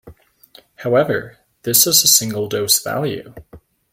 However, this is a single-dose value.